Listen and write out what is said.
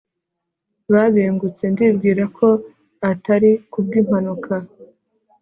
babengutse. ndibwira ko atari ku bw'impanuka